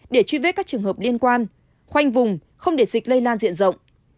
để truy vết các trường hợp liên quan khoanh vùng không để dịch lây lan diện rộng